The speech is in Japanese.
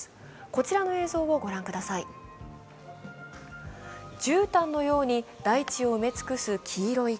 こちらの映像を御覧ください。